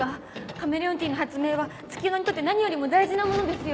カメレオンティーの発明は月夜野にとって何よりも大事なものですよね。